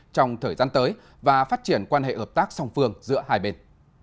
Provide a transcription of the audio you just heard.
trong thời gian tới và phát triển quan hệ hợp tác song phương giữa hai bên